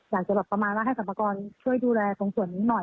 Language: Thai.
อยากจะแบบประมาณว่าให้สรรพากรช่วยดูแลตรงส่วนนี้หน่อย